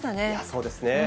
そうですね。